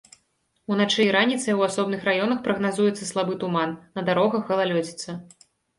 Уначы і раніцай у асобных раёнах прагназуецца слабы туман, на дарогах галалёдзіца.